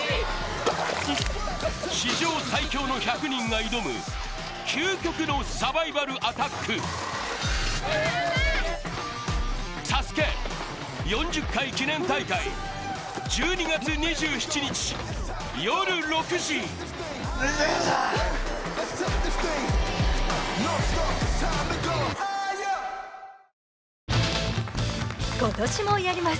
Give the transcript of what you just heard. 史上最強の１００人が挑む究極のサバイバルアタックＳＡＳＵＫＥ４０回記念大会１２月２７日夜６時今年もやります